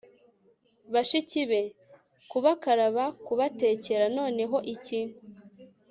bashiki be - kubakaraba, kubatekera. noneho iki